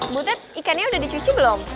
bu cet ikannya udah dicuci belum